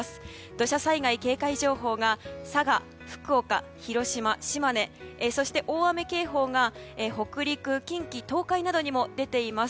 土砂災害警戒情報が佐賀、福岡、広島、島根そして大雨警報が北陸、近畿・東海などにも出ています。